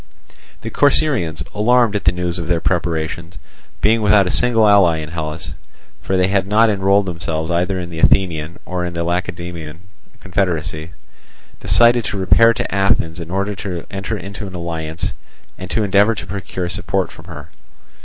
The Corcyraeans, alarmed at the news of their preparations, being without a single ally in Hellas (for they had not enrolled themselves either in the Athenian or in the Lacedaemonian confederacy), decided to repair to Athens in order to enter into alliance and to endeavour to procure support from her.